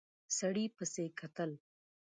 سړي پسې کتل.